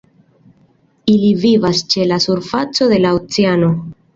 Ili vivas ĉe la surfaco de la oceano.